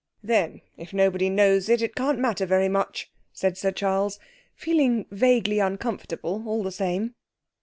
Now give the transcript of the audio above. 'Then if nobody knows it, it can't matter very much,' said Sir Charles, feeling vaguely uncomfortable all the same.